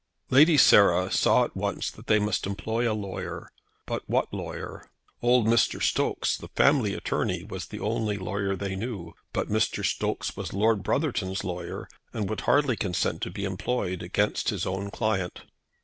Lady Sarah saw at once that they must employ a lawyer; but what lawyer? Old Mr. Stokes, the family attorney, was the only lawyer they knew. But Mr. Stokes was Lord Brotherton's lawyer, and would hardly consent to be employed against his own client.